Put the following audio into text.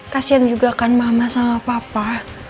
kasian juga kan mama sama papa